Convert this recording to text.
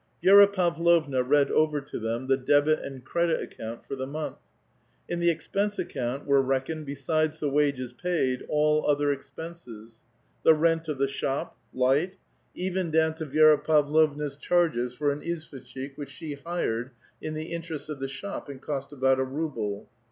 Vi^ra Pavlovna read over to them the debit and credit account for the month. In the expense account were reck oned, l)e8ides the wages paid, all otlier expenses, — the rent of the shop, light, even down to Vi^ra Pavlovna'a 174 A VITAL QUESTION. chai ges for au izvosJicJiik^ which she hked in the interests of the bliop, and cost about a ruble.